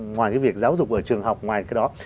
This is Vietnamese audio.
ngoài cái việc giáo dục ở trường học ngoài cái đó